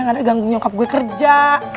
gak ada yang ganggu nyokap gue kerja